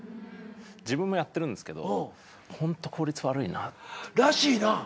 自分もやってるんですけどホント効率悪いなって。らしいな。